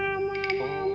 ya emang begitu dong